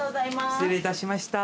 失礼いたしました。